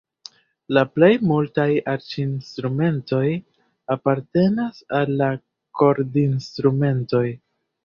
La plej multaj arĉinstrumentoj apartenas al la kordinstrumentoj.